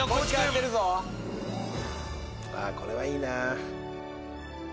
これはいいなぁ。